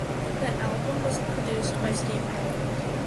The album was produced by Steve Rowland.